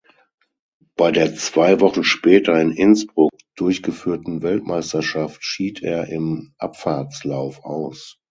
Bei der zwei Wochen später in Innsbruck durchgeführten Weltmeisterschaft schied er im Abfahrtslauf aus.